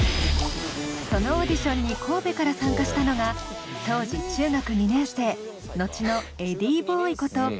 そのオーディションに神戸から参加したのが当時中学２年生後のｅｄｈｉｉｉｂｏｉこと